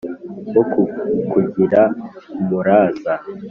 wo kukugira umuraza